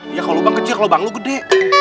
iya kalau lubang kecil kalau bang lu gede